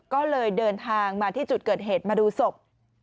ก็เลยเดินทางมาที่จุดเกิดเหตุมาดูศพ